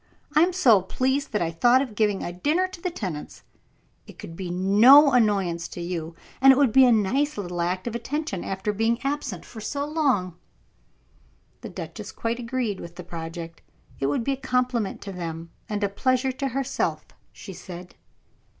I am so pleased that I thought of giving a dinner to the tenants; it could be no annoyance to you, and it would be a nice little act of attention, after being absent so long." The duchess quite agreed with the project. It would be a compliment to them, and a pleasure to herself, she said.